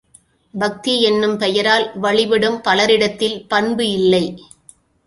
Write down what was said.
பக்தி என்னும் பெயரால் வழிபடும் பலரிடத்தில் பண்பு இல்லை.